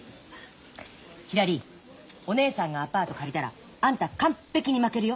ひらりお姉さんがアパート借りたらあんた完璧に負けるよ。